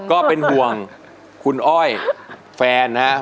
ก็เป็นห่วงคุณอ้อยแฟนนะครับ